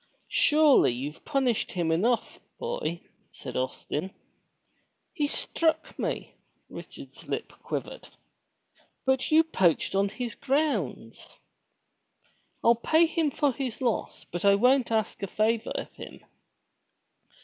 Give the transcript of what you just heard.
Surely you've punished him enough, boy," said Austin. ''He struck me!" Richard's lip quivered. ''But you poached on his grounds." • "I'll pay him for his loss, but I won't ask a favor of him."